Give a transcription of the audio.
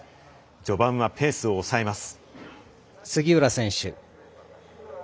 序盤はペースを抑えます。